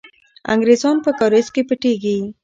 انګریزان په کارېز کې پټېږي.